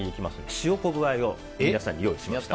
塩昆布あえを皆さんにご用意しました。